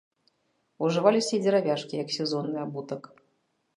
Ужываліся і дзеравяшкі як сезонны абутак.